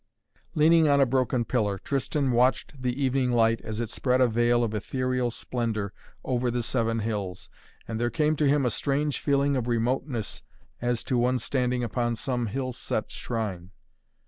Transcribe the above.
Leaning on a broken pillar, Tristan watched the evening light as it spread a veil of ethereal splendor over the Seven Hills and there came to him a strange feeling of remoteness as to one standing upon some hill set shrine.